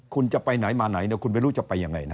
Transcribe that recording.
คุณจะไปไหนมาไหนคุณไม่รู้จะไปยังไงนะ